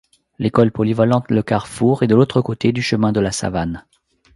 L'École Polyvalente Le Carrefour est de l'autre côté du Chemin de La Savane.